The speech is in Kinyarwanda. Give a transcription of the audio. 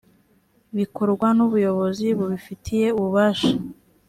bikorwa n ubuyobozi bubifitiye ububasha